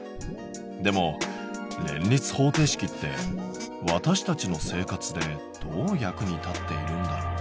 でも連立方程式って私たちの生活でどう役に立っているんだろう？